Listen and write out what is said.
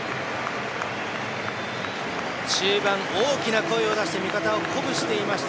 中盤、大きな声を出して味方を鼓舞していました